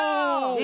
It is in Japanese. え